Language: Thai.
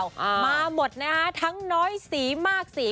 อ่ามาหมดนะฮะทั้งน้อยสีมากสี